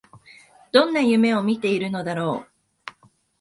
どんな夢を見ているのだろう